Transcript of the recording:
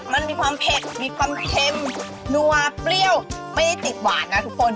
มันมีความเผ็ดมีความเค็มนัวเปรี้ยวไม่ได้ติดหวานนะทุกคน